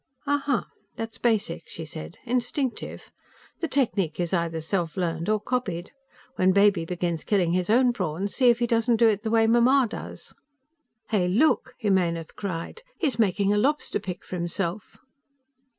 "Uh huh; that's basic," she said. "Instinctive. The technique is either self learned or copied. When Baby begins killing his own prawns, see if he doesn't do it the way Mamma does!" "Hey, look!" Jimenez cried. "He's making a lobster pick for himself!"